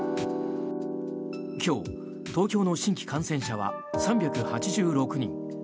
今日、東京の新規感染者は３８６人。